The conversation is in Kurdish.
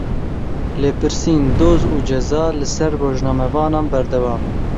Lêpirsîn, doz û ceza li ser rojnamevanan berdewam in.